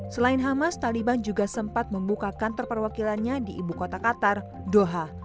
selain hamas taliban juga sempat membuka kantor perwakilannya di ibu kota qatar doha